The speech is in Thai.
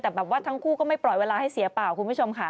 แต่แบบว่าทั้งคู่ก็ไม่ปล่อยเวลาให้เสียเปล่าคุณผู้ชมค่ะ